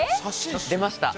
出ました。